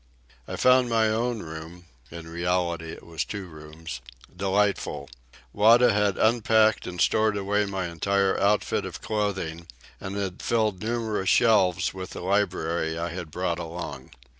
I found my own room (in reality it was two rooms) delightful. Wada had unpacked and stored away my entire outfit of clothing, and had filled numerous shelves with the library I had brought along.